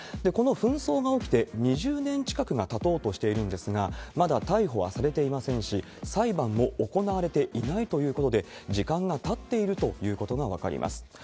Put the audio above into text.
この紛争が起きて２０年近くがたとうとしているんですが、まだ逮捕はされていませんし、裁判も行われていないということで、時間がたっているということが分かります。